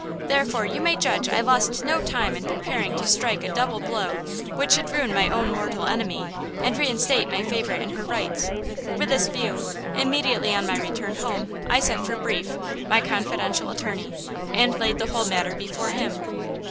Therefore, you may judge I lost no time in preparing to strike a double blow which should ruin my own mortal enemy and reinstate my favorite in her rights. With this view, immediately on my return home, I sent for Breefe, my confidential attorney, and laid the whole matter before him."